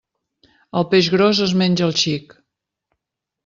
El peix gros es menja el xic.